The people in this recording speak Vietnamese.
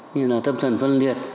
như là tâm thần phân liệt